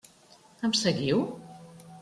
Em seguiu?